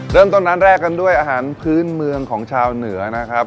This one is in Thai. เริ่มต้นร้านแรกกันด้วยอาหารพื้นเมืองของชาวเหนือนะครับ